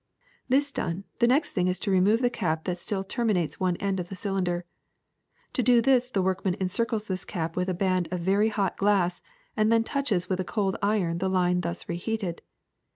^^This done, the next thing is to remove the cap that still terminates one end of the cylinder. To do this the workman encircles this cap with a band of very hot glass, and then touches with a cold iron the line thus reheated.